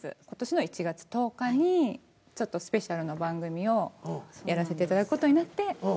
今年の１月１０日にちょっとスペシャルな番組をやらせていただく事になって。